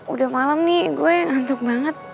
udah malam nih gue yang ngantuk banget